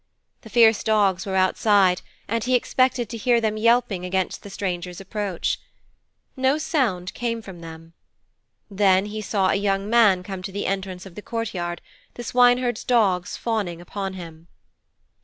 The fierce dogs were outside and he expected to hear them yelping against the stranger's approach. No sound came from them. Then he saw a young man come to the entrance of the courtyard, the swineherd's dogs fawning upon him.